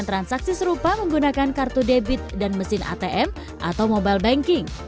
transaksi serupa menggunakan kartu debit dan mesin atm atau mobile banking